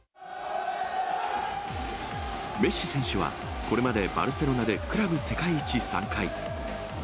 メッシ選手は、これまでバルセロナでクラブ世界一３回。